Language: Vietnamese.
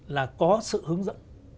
là có sự hướng dẫn